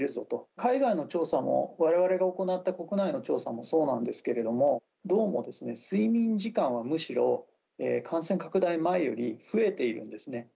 海外の調査も、われわれが行った国内の調査もそうなんですけれども、どうもですね、睡眠時間はむしろ感染拡大前より増えているんですね。